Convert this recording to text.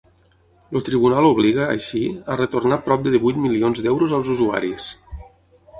El tribunal obliga, així, a retornar prop de divuit milions d’euros als usuaris.